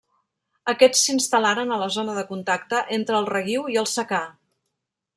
Aquests s'instal·laren a la zona de contacte entre el reguiu i el secà.